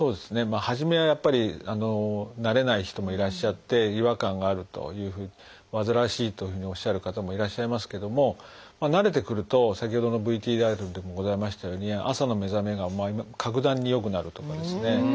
初めはやっぱり慣れない人もいらっしゃって違和感があるというふうにわずらわしいというふうにおっしゃる方もいらっしゃいますけども慣れてくると先ほどのＶＴＲでもございましたように朝の目覚めが格段に良くなると思いますね。